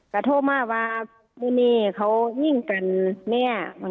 ก็โทรมาว่ามันนี่เขานิ่งกันแม่